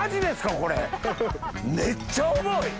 これめっちゃ重い！